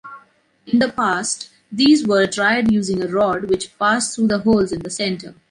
In the past, these were dried using a rod which passed through the holes in the center.